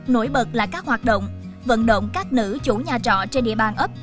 nổi bật là các hoạt động vận động các nữ chủ nhà trọ trên địa bàn ấp